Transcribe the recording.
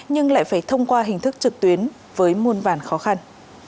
nhưng lại phải thông qua hình thức trực tuyến với muôn vàn khó khăn